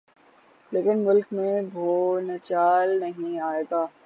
لیکن ملک میں بھونچال نہیں آئے گا۔